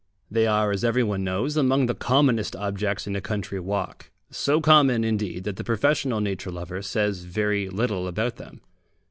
They are, as everyone knows, among the commonest objects in a country walk, so common, indeed, that the professional nature lover says very little about them.